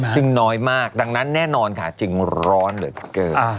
ซึ่งน้อยมากดังนั้นแน่นอนค่ะจึงร้อนเหลือเกิน